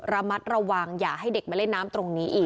ระมัดระวังอย่าให้เด็กมาเล่นน้ำตรงนี้อีก